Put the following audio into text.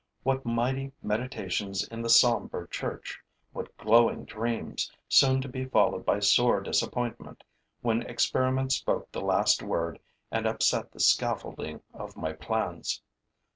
What mighty meditations in the somber church! What glowing dreams, soon to be followed by sore disappointment, when experiment spoke the last word and upset the scaffolding of my plans.